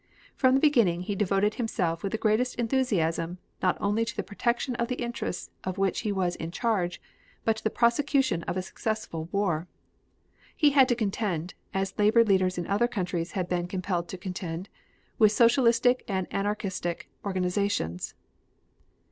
From the beginning he devoted himself with the greatest enthusiasm not only to the protection of the interests of which he was in charge, but to the prosecution of a successful war. He had to contend, as labor leaders in other countries had been compelled to contend, with socialistic and anarchistic organizations.